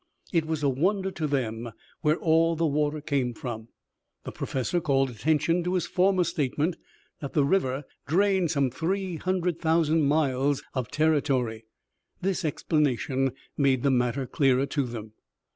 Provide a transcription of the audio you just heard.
It was a wonder to them where all the water came from. The Professor called attention to his former statement that the river drained some three hundred thousand miles of territory. This explanation made the matter clearer to them.